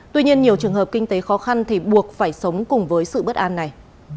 tuy nhiên nhiều trường hợp kinh tế khó khăn thì buộc phải sống cùng với sự bất an này